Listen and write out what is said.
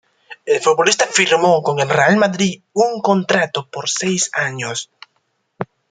El futbolista firmó con el Real Madrid un contrato por seis años.